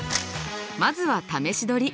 まずは試し撮り。